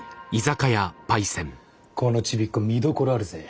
このちびっこ見どころあるぜ。